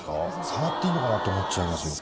触っていいのかなって思っちゃいますよ。